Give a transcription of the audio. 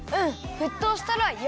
ふっとうしたらよ